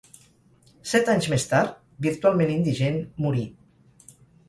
Set anys més tard, virtualment indigent, morí.